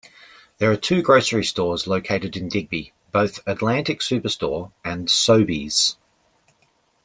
There are two groceries stores located in Digby, both Atlantic Superstore and Sobeys.